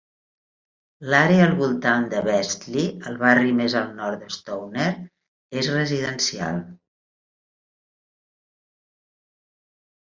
L'àrea al voltant de Vestli, el barri més al nord de Stovner, és residencial.